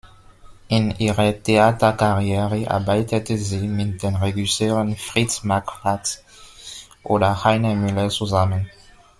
In ihrer Theaterkarriere arbeitete sie mit den Regisseuren Fritz Marquardt oder Heiner Müller zusammen.